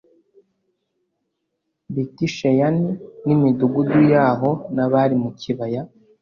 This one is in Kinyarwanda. Betisheyani n imidugudu yaho n abari mu kibaya